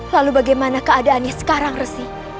lalu bagaimana keadaannya sekarang resi